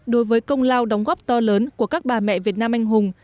đối với công lao đóng góp to lớn của các bà mẹ việt nam anh hùng